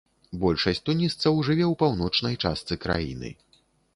Большасць тунісцаў жыве ў паўночнай частцы краіны.